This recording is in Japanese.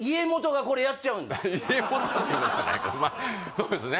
そうですね